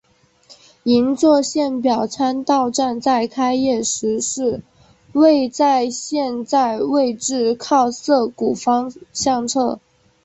银座线表参道站在开业时是位在现在位置靠涩谷方向侧。